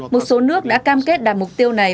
một số nước đã cam kết đạt mục tiêu này